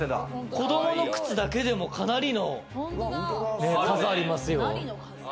子どもの靴だけでもかなりの数ありますよ。